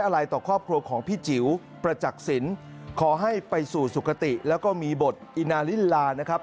อะไรต่อครอบครัวของพี่จิ๋วประจักษิณขอให้ไปสู่สุขติแล้วก็มีบทอินาลิลานะครับ